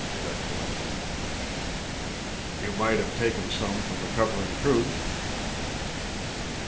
your excellency." "You might have taken some from the covering troops."